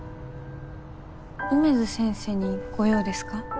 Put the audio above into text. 梅津先生にご用ですか？